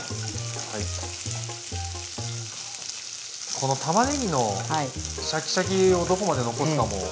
このたまねぎのシャキシャキをどこまで残すかも好みですよね。